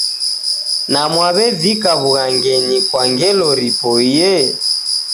Na mwawevika wughangenyi kwa ngelo ripoiye?